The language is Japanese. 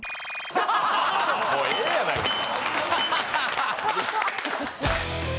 もうええやないか。